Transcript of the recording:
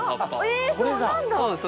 えそうなんだ！